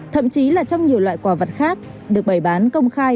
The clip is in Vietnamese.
thậm chí là trong nhiều loại quả vật khác được bày bán công khai